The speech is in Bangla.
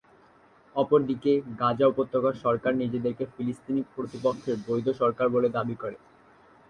অপরদিকে, গাজা উপত্যকার সরকার নিজেদেরকে ফিলিস্তিনি কর্তৃপক্ষের বৈধ সরকার বলে দাবি করে।